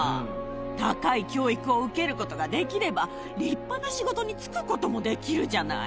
高い教育を受けることができれば、立派な仕事に就くこともできるじゃない。